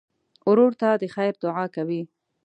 ورور ته د خیر دعا کوې.